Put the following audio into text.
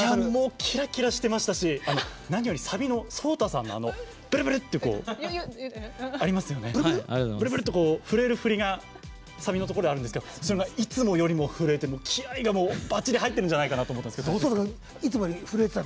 キラキラしてましたし何よりサビのＳＯＴＡさんのブルブルっていう震える振りがサビのところであるんですがいつもよりも震えて気合いがばっちり入ってるんじゃないかなと思ったんですけどどうでした？